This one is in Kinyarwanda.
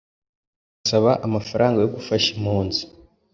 barasaba amafaranga yo gufasha impunzi